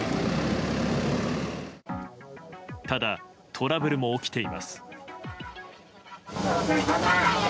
ただトラブルも起きています。